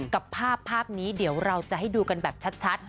กับภาพภาพนี้เดี๋ยวเราจะให้ดูกันแบบชัด